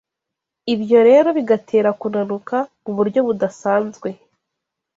ibyo rero bigatera kunanuka mu buryo budasanzwe